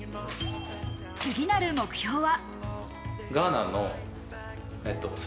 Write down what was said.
次なる目標は。